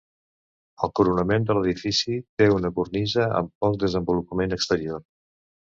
El coronament de l'edifici té una cornisa amb poc desenvolupament exterior.